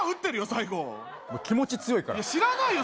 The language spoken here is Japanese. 最後気持ち強いから知らないよ